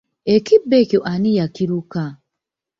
Ekibbo ekyo ani yakiruka?